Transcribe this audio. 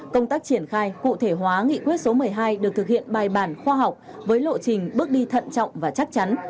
công tác triển khai cụ thể hóa nghị quyết số một mươi hai được thực hiện bài bản khoa học với lộ trình bước đi thận trọng và chắc chắn